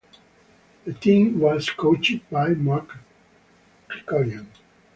The team was coached by Mark Krikorian.